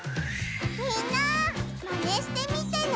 みんなマネしてみてね！